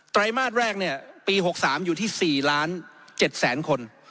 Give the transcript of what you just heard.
ไรมาสแรกเนี่ยปี๖๓อยู่ที่๔๗แสนคน